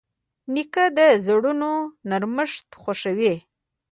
نیکه د زړونو نرمښت خوښوي.